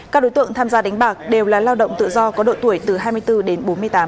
các đối tượng tham gia đánh bạc đều là lao động tự do có độ tuổi từ hai mươi bốn đến bốn mươi tám